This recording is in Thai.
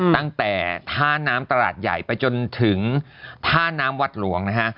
ตั้งแต่ท่าน้ำตลาดใหญ่ไปจนถึงท่าน้ำวัดหลวงนะฮะ